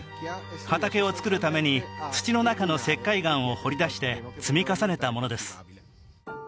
畑をつくるために土の中の石灰岩を掘り出して積み重ねたものです